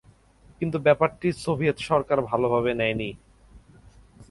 কিন্তু ব্যাপারটি সোভিয়েত সরকার ভালভাবে নেয় নি।